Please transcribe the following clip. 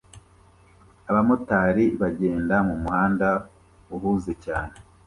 Abamotari bagenda mumuhanda uhuze cyane